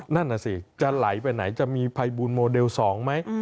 นั่นน่ะสิจะไหลไปไหนจะมีภัยบูลโมเดล๒ไหม